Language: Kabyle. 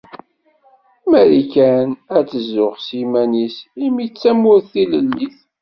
Marikan ad tzuxx s yiman-is imi d tamurt tilellit.